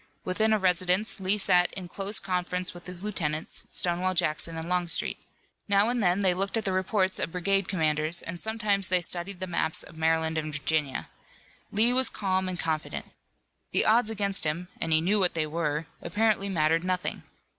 Within a residence Lee sat in close conference with his lieutenants, Stonewall Jackson and Longstreet. Now and then, they looked at the reports of brigade commanders and sometimes they studied the maps of Maryland and Virginia. Lee was calm and confident. The odds against him and he knew what they were apparently mattered nothing.